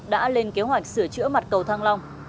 đã lên kế hoạch sửa chữa mặt cầu thăng long